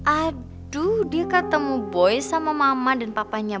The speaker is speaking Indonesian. aduh dia ketemu boy sama mama dan papanya